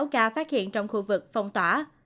bảy mươi sáu ca phát hiện trong khu vực phong tỏa